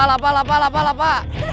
kelapa kelapa kelapa kelapa